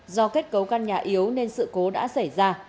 do kết cấu căn nhà yếu nên sự cố đã xảy ra